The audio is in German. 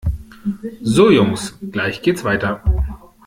So Jungs, gleich geht's weiter!